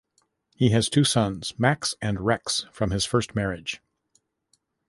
He has two sons, Max and Rex, from his first marriage.